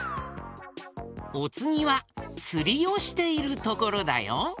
おつぎはつりをしているところだよ。